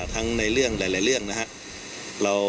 ทั้งในเรื่องหลายเรื่องนะครับ